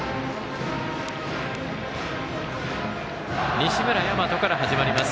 西村大和から始まります。